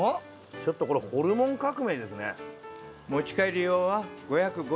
ちょっとこれホルモン革命ですね。